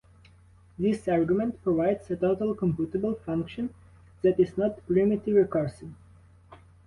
This argument provides a total computable function that is not primitive recursive.